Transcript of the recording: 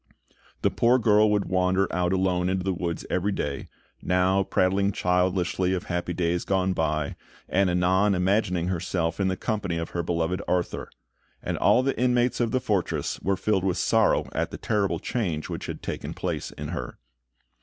The poor girl would wander out alone into the woods every day, now prattling childishly of happy days gone by, and anon imagining herself in the company of her beloved Arthur; and all the inmates of the fortress were filled with sorrow at the terrible change which had taken place in her.